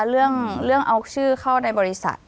เรื่องเอาชื่อเข้าในบริษัท